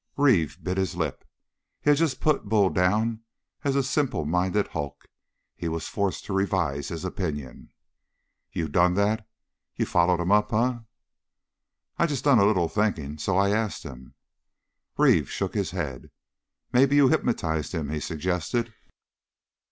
Reeve bit his lip. He had just put Bull down as a simple minded hulk. He was forced to revise his opinion. "You done that? You follered him up, eh?" "I just done a little thinking. So I asked him." Reeve shook his head. "Maybe you hypnotized him," he suggested.